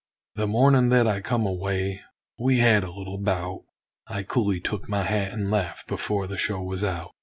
The mornin' that I come away, we had a little bout; I coolly took my hat and left, before the show was out.